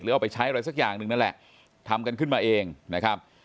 เอาไปใช้อะไรสักอย่างหนึ่งนั่นแหละทำกันขึ้นมาเองนะครับ